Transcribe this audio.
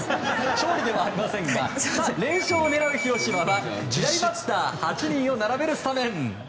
勝利ではありませんが連覇を狙う広島は左バッター８人を並べるスタメン。